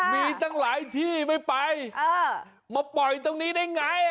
มีตั้งหลายที่ไม่ไปมาปล่อยตรงนี้ได้ไง